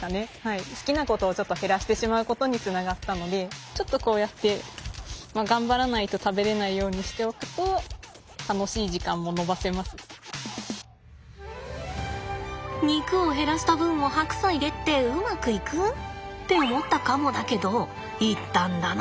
好きなことをちょっと減らしてしまうことにつながったのでちょっとこうやって頑張らないと食べれないようにしておくと肉を減らした分を白菜でってうまくいく？って思ったかもだけどいったんだな